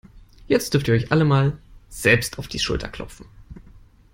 Jetzt dürft ihr euch mal alle selbst auf die Schulter klopfen.